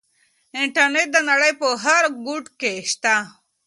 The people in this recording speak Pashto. انټرنيټ د نړۍ په هر ګوټ کې شته.